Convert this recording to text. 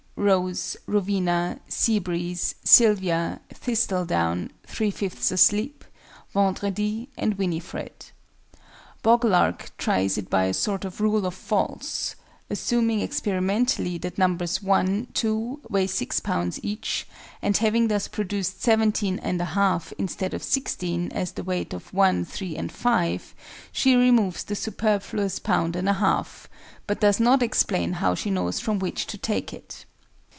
ROSE, ROWENA, SEA BREEZE, SYLVIA, THISTLEDOWN, THREE FIFTHS ASLEEP, VENDREDI, and WINIFRED. BOG LARK tries it by a sort of "rule of false," assuming experimentally that Nos. 1, 2, weigh 6 lbs. each, and having thus produced 17 1/2, instead of 16, as the weight of 1, 3, and 5, she removes "the superfluous pound and a half," but does not explain how she knows from which to take it.